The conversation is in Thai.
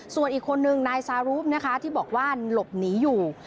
ส่วนอีกคนนึงนายซารูปนะคะที่บอกว่าหลบหนีอยู่